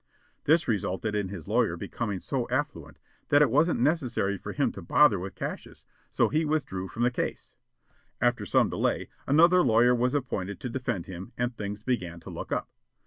This resulted in his lawyer becoming so affluent that it wasn't necessary for him to bother with Cassius, so he withdrew from the case. After some delay, another lawyer was appointed to defend him and things began to look up.